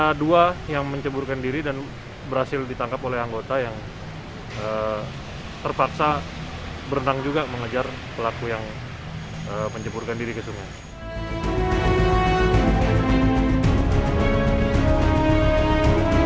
ada dua yang menceburkan diri dan berhasil ditangkap oleh anggota yang terpaksa berenang juga mengejar pelaku yang menceburkan diri ke sungai